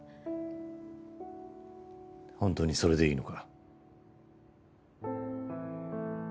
本当にそれでいいのか？